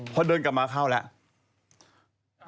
พอเดินกลับมาเข้าแล้ว